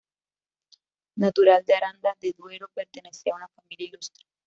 Natural de Aranda de Duero, pertenecía a una familia ilustre.